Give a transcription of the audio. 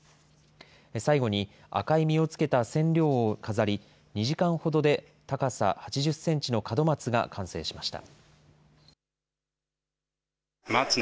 最後に、赤い実をつけた千両を飾り、２時間ほどで高さ８０センチの門松が完成しました。